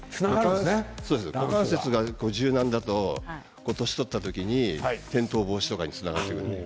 股関節が柔軟だと年取った時に転倒防止とかにつながってくる。